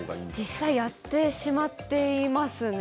実際やってしまっていますね。